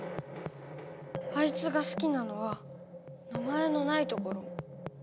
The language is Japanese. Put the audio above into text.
あいつがすきなのは「名前のないところ」。